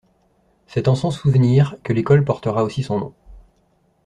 C’est en son souvenir que l’école portera aussi son nom.